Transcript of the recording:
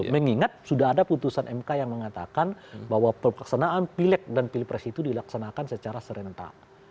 mengingat sudah ada putusan mk yang mengatakan bahwa pelaksanaan pilek dan pilpres itu dilaksanakan secara serentak